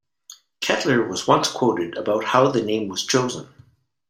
Kettler was once quoted about how the name was chosen.